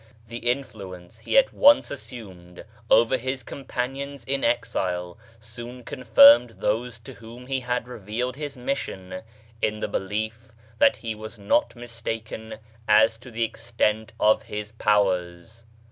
The influence he at once assumed over his companions in exile soon confirmed those to whom he had revealed his mission in the belief that he was not mistaken as to the extent of his powers.